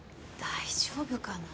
大丈夫かな。